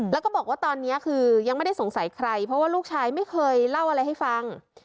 แล้วก็บอกว่าตอนนี้คือยังไม่ได้สงสัยใครเพราะว่าลูกชายไม่เคยเล่าอะไรให้ฟัง